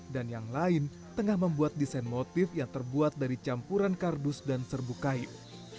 dan yang lain tengah membuat desain motif yang terbuat dari campuran kardus dan serbu kain